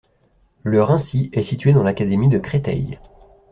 Le Raincy est située dans l'académie de Créteil.